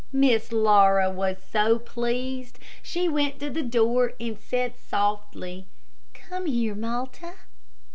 Miss Laura was so pleased. She went to the door, and said, softly, "Come here, Malta."